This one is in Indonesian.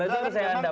kalau yang di gerita